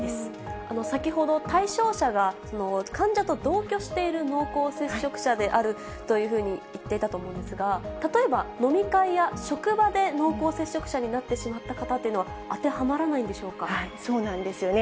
先ほど、対象者が患者と同居している濃厚接触者であるというふうに言っていたと思うんですが、例えば、飲み会や職場で濃厚接触者になってしまった方というのは、当てはそうなんですよね。